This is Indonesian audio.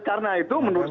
karena itu menurut saya